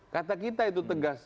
kata kita itu tegas